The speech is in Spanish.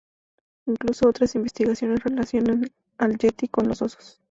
Incluso otras investigaciones relacionan al yeti con los osos.